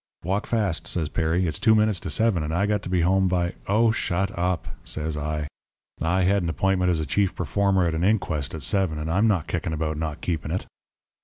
"'Walk fast,' says Perry, 'it's two minutes to seven, and I got to be home by ' "'Oh, shut up,' says I. 'I had an appointment as chief performer at an inquest at seven, and I'm not kicking about not keeping it.'